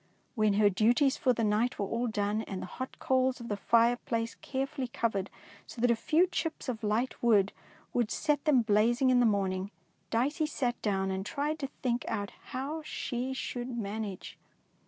When her duties for the night were all done, and the hot coals in the fire 243 DEEDS OP DABING place carefully covered so that a few chips of light wood would set them blazing in the morning, Dicey sat down and tried to think out how she should manage.